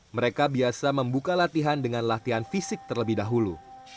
mereka biasa membuka latihan dengan latihan fisik terlebih dahulu